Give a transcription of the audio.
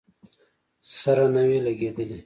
سره نه وې لګېدلې.